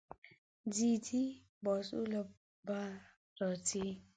ځې ځې، بازو له به راځې